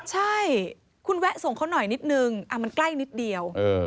ใช่คุณแวะส่งเขาหน่อยนิดนึงมันใกล้นิดเดียว